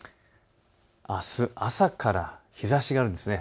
あす朝から日ざしがあるんです。